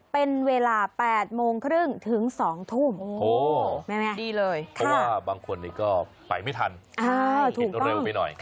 เป็นเวลา๘โมงครึ่งถึง๒ทุ่มดีเลยเพราะว่าบางคนนี้ก็ไปไม่ทันผิดเร็วไปหน่อย